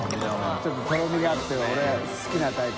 ちょっととろみがあって俺好きなタイプ。